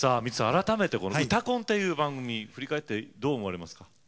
改めてこの「うたコン」という番組振り返ってどう思われますか？